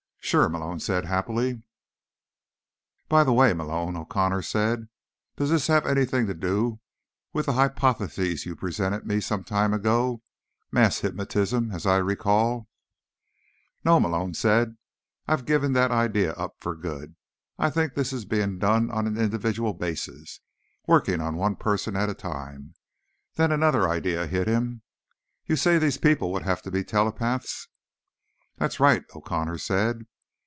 "Sure," Malone said happily. "By the way, Mr. Malone," O'Connor said. "Does this have anything to do with the hypothesis you presented to me some time ago? Mass hypnotism, as I recall—" "No," Malone said. "I've given that idea up for good. I think this is being done on an individual basis—working on one person at a time." Then another idea hit him. "You say these people would have to be telepaths?" "That's right," O'Connor said.